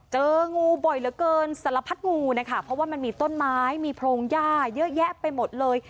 เจองูบ่อยเหลือเกินสารพัดงูนะคะเพราะว่ามันมีต้นไม้มีโพรงย่าเยอะแยะไปหมดเลย